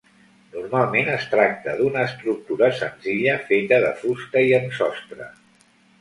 Normalment es tracte d'una estructura senzilla feta de fusta i amb sostre.